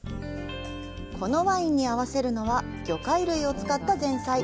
このワインに合わせるのは魚介類を使った前菜。